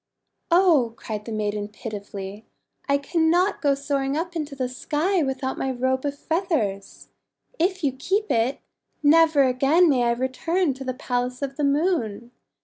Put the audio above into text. "Oh!* cried the maiden pitifully, "I cannot go soaring up into the sky without my Robe of Feathers. If you keep it, never again may I return to the Palace of the Moon.